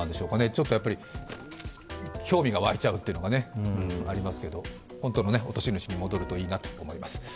ちょっと興味が湧いちゃうというのがありますけれども本当の落とし主に戻るといいなと思います。